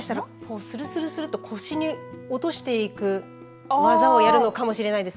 するすると腰に落としていく技をやるのかもしれないです。